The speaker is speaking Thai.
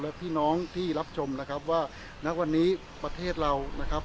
และพี่น้องที่รับชมนะครับว่าณวันนี้ประเทศเรานะครับ